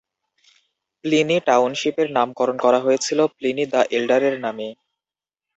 Pliny টাউনশিপের নামকরণ করা হয়েছিল প্লিনি দ্য এল্ডারের নামে।